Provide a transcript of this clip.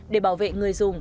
để bảo vệ người dùng